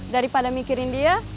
daripada mikirin dia